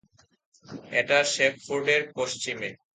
এটা শেফফোর্ডের পশ্চিমে.